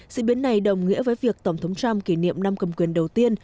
diễn biến này đồng nghĩa với việc tổng thống trump kỷ niệm năm cầm quyền đầu tiên